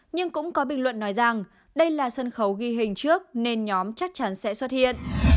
nhưng cũng có bình luận nói rằng đây là sân khấu ghi hình trước nên nhóm chắc chắn sẽ xuất hiện